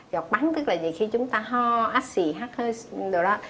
dọc bắn tức là nhiều khi chúng ta ho ác xì hắc hơi đồ đó